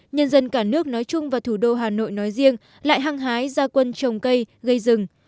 nhân dân cả nước nói chung và thủ đô hà nội nói riêng lại hăng hái ra quân trồng cây gây rừng